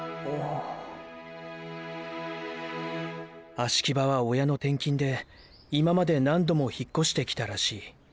葦木場は親の転勤で今まで何度も引っ越してきたらしい。